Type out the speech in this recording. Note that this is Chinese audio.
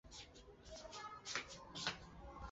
菊石目壳有间隔的部份称为闭锥。